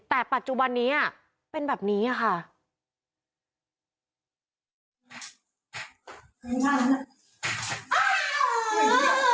แต่ปัจจุบันนี้เป็นแบบนี้ค่ะ